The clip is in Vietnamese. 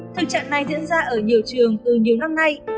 thực trạng này diễn ra ở nhiều trường từ nhiều năm nay